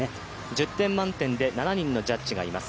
１０点満点で７人のジャッジがいます。